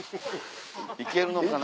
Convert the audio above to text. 行けるのかな？